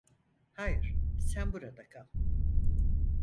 Hayır, sen burada kal.